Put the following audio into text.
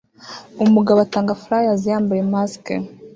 Umugabo atanga fliers yambaye mask